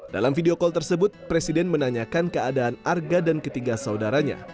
dalam video call tersebut presiden menanyakan keadaan arga dan ketiga saudaranya